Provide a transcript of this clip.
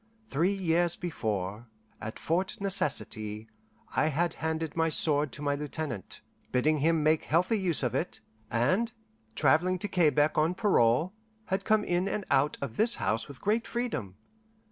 Three years before, at Fort Necessity, I had handed my sword to my lieutenant, bidding him make healthy use of it, and, travelling to Quebec on parole, had come in and out of this house with great freedom.